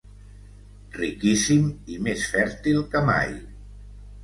Riquíssim i més fèrtil que mai.